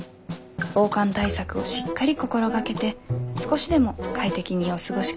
防寒対策をしっかり心がけて少しでも快適にお過ごしください。